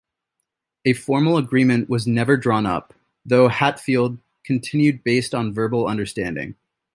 A formal agreement was never drawn up, though Hatfield continued based on verbal understanding.